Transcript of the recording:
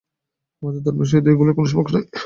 আমাদের ধর্মের সহিত ঐগুলির কোন সম্পর্ক নাই।